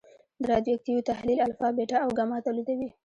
د رادیواکتیو تحلیل الفا، بیټا او ګاما تولیدوي.